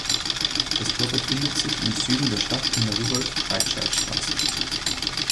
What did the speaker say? Das Tor befindet sich im Süden der Stadt in der Rudolf-Breitscheid-Straße.